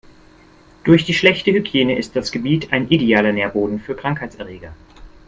Durch die schlechte Hygiene ist das Gebiet ein idealer Nährboden für Krankheitserreger.